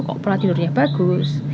kok pola tidurnya bagus